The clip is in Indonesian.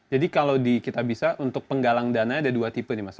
jadi kalau di kitabisa untuk penggalang dana ada dua tipe nih mas